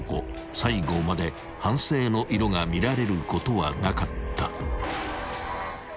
［最後まで反省の色が見られることはなかった］